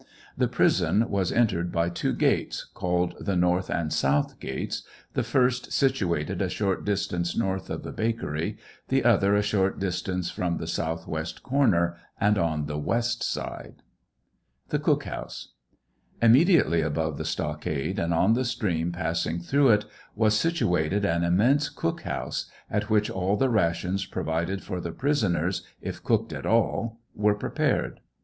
The prison was entered by two gates, called the north and south gates, the first situated a short distance north of the bakery, the other a short distance from the southwest corner and on the west side. THE COOK HOUSU. Immediately above the stockade, and on the stream passing through it, was situated an immense cook house, at which all the rations provided for the pris oners, if cooked at all, were prepared.